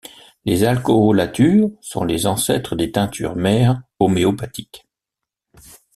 Les alcoolatures sont les ancêtres des teintures mères homéopathiques.